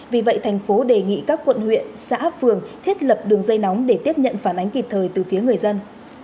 vì vậy thành phố đề nghị các quận huyện xã phường thiết lập đường dây nóng để tiếp nhận phản ánh kịp thời từ phía người dân